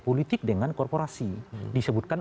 politik dengan korporasi disebutkan